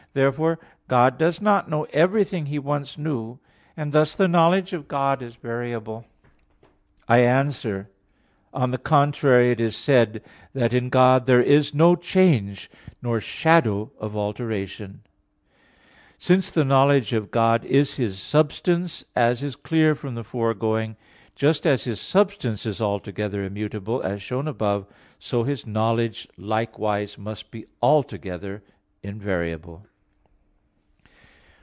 Therefore God does not know everything He once knew; and thus the knowledge of God is variable. On the contrary, It is said, that in God "there is no change nor shadow of alteration" (James 1:17). I answer that, Since the knowledge of God is His substance, as is clear from the foregoing (A. 4), just as His substance is altogether immutable, as shown above (Q. 9, A. 1), so His knowledge likewise must be altogether invariable.